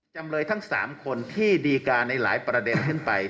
จำเลยทั้ง๓คนที่ดีการในหลายประเด็นขึ้นไป